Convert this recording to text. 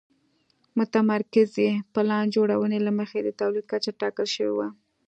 متمرکزې پلان جوړونې له مخې د تولید کچه ټاکل شوې وه.